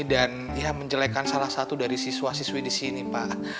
dan menjelekkan salah satu dari siswa siswi disini pak